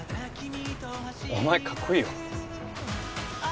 お前かっこいいよ。